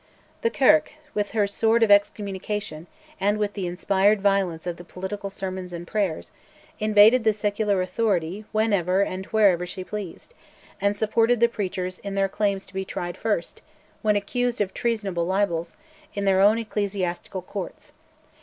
The Kirk, with her sword of excommunication, and with the inspired violence of the political sermons and prayers, invaded the secular authority whenever and wherever she pleased, and supported the preachers in their claims to be tried first, when accused of treasonable libels, in their own ecclesiastical courts.